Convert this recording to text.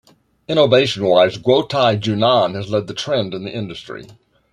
Innovation-wise, Guotai Junan has led the trend in the industry.